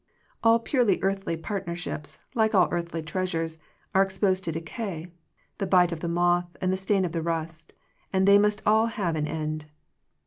All purely earthly part nerships, like all earthly treasures, are ex posed to decay, the bite of the moth and the stain of the rust; and they must all have an end.